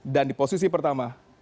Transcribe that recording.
dan di posisi pertama